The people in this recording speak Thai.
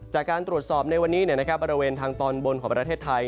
จากการตรวจสอบในวันนี้บริเวณทางตอนบนของประเทศไทย